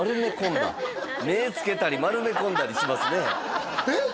目付けたり丸め込んだりしますねえっ？